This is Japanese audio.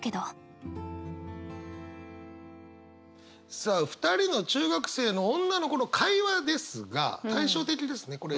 さあ２人の中学生の女の子の会話ですが対照的ですねこれ。